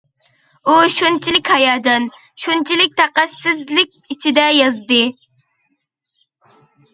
ئۇ شۇنچىلىك ھاياجان، شۇنچىلىك تاقەتسىزلىك ئىچىدە يازدى.